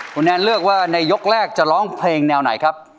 คุณแอนเลือกว่าในยกแรกจะร้องเพลงแนวไหนครับ